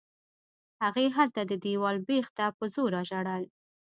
هغې هلته د دېوال بېخ ته په زوره ژړل.